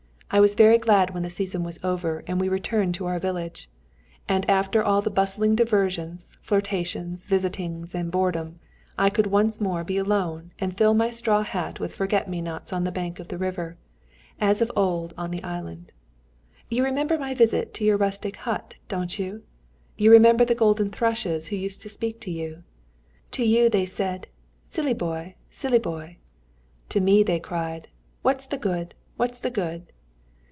I was very glad when the season was over and we returned to our village, and after all the bustling diversions, flirtations, visitings and boredom, I could once more be alone and fill my straw hat with forget me nots on the banks of the river, as of old on the island. You remember my visit to your rustic hut, don't you? You remember the golden thrushes who used to speak to you? To you they said, 'Silly boy! silly boy!' to me they cried, 'What's the good! what's the good!'